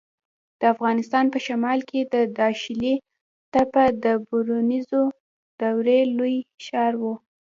د افغانستان په شمال کې د داشلي تپه د برونزو دورې لوی ښار و